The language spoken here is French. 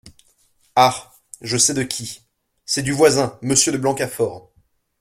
Ah ! je sais de qui… c’est du voisin, Monsieur de Blancafort !